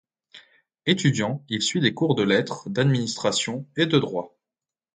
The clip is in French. Étudiant, il suit des cours de lettres, d’administration et de droit.